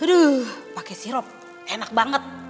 aduh pakai sirup enak banget